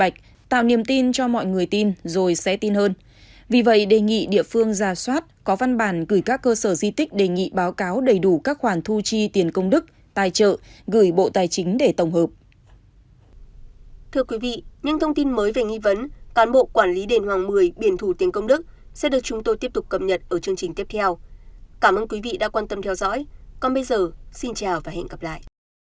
cảm ơn quý vị đã quan tâm theo dõi còn bây giờ xin chào và hẹn gặp lại